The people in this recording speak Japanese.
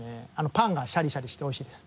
パンがシャリシャリしておいしいです。